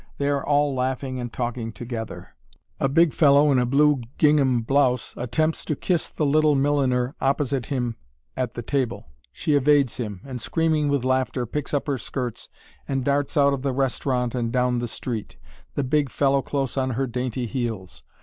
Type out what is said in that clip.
They are all laughing and talking together. A big fellow in a blue gingham blouse attempts to kiss the little milliner opposite him at table; she evades him, and, screaming with laughter, picks up her skirts and darts out of the restaurant and down the street, the big fellow close on her dainty heels.